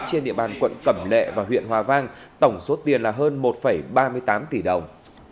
trên địa bàn quận cẩm lệ và huyện hòa vang tổng số tiền là hơn một ba mươi tám tỷ đồng